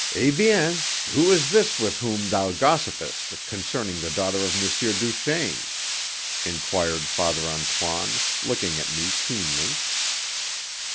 "Eh bien, who is this with whom thou gossipest concerning the daughter of M. Duchaine?" inquired Father Antoine, looking at me keenly.